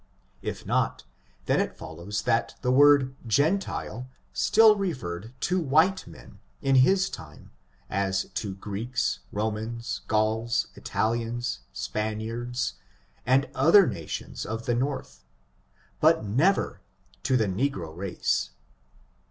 If not, then it follows that the word gentile, still refer red to white men, in his time, as to Greeks, Romans, Gauls, Italians, Spaniards, and other nations of the north, but never to the negro race.